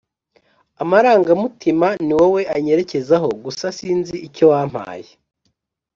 Amarangamutima niwowe anyerekezaho gusa sinzi icyo wampaye